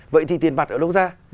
vậy thì tiền mặt ở đâu ra